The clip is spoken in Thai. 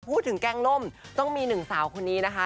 พูดถึงแกล้งนมต้องมีหนึ่งสาวคนนี้นะคะ